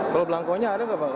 kalau belangkonya ada nggak bang